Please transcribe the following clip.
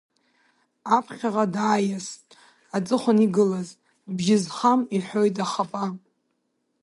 Аԥхьаҟа дааиаст аҵыхәан игылаз, бжьы зхам иҳәоит ахапа.